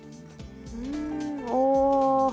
うんお。